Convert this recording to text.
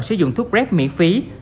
sử dụng thuốc prep miễn phí